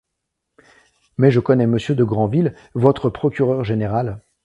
Mais je connais monsieur de Grandville, votre procureur général...